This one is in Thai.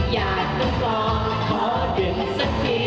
อยากต้องกล่องขอเก็บสักที